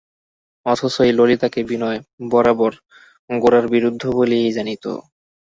অথচ এই ললিতাকে বিনয় বরাবর গোরার বিরুদ্ধ বলিয়াই জানিত।